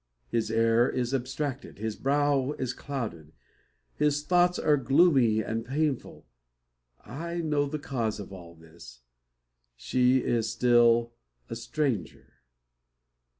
His air is abstracted; his brow is clouded; his thoughts are gloomy and painful. I know the cause of all this. She is still a stranger!